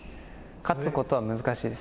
勝つことは難しいです。